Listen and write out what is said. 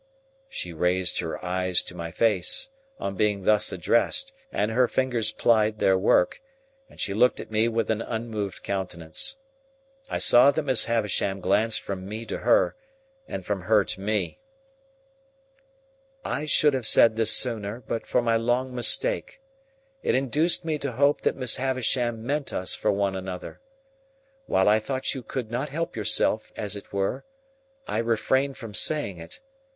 She raised her eyes to my face, on being thus addressed, and her fingers plied their work, and she looked at me with an unmoved countenance. I saw that Miss Havisham glanced from me to her, and from her to me. "I should have said this sooner, but for my long mistake. It induced me to hope that Miss Havisham meant us for one another. While I thought you could not help yourself, as it were, I refrained from saying it.